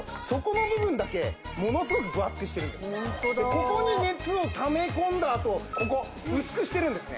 ここに熱をため込んだあとここ薄くしてるんですね